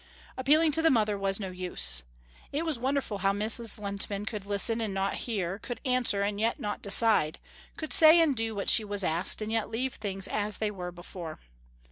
Appealing to the mother was no use. It was wonderful how Mrs. Lehntman could listen and not hear, could answer and yet not decide, could say and do what she was asked and yet leave things as they were before.